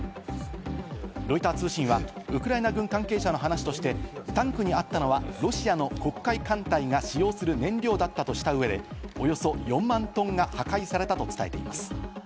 ロイター通信はウクライナ軍関係者の話として、タンクにあったのはロシアの黒海艦隊が使用する燃料だったとした上で、およそ４万トンが破壊されたと伝えています。